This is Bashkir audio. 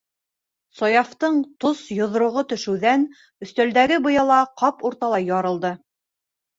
- Саяфтың тос йоҙроғо төшөүҙән өҫтәлдәге быяла ҡап урталай ярылды.